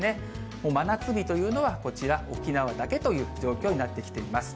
もう真夏日というのはこちら、沖縄だけという状況になってきています。